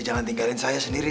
jangan tinggalin saya sendiri